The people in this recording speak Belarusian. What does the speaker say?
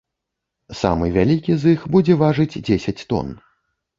Самы вялікі з іх будзе важыць дзесяць тон.